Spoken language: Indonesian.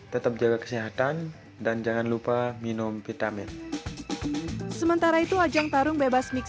tetap jaga kesehatan dan jangan lupa minum vitamin sementara itu ajang tarung bebas mix